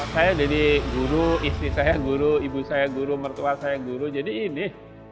saya jadi guru istri saya guru ibu saya guru mertua saya guru jadi ini